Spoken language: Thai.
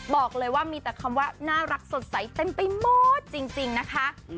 บอกเลยว่ามีแต่คำว่าน่ารักสดใสเต็มไปหมดจริงนะคะ